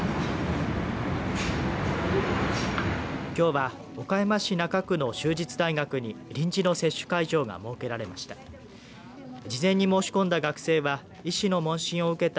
きょうは岡山市中区の就実大学に臨時の接種会場が設けられました。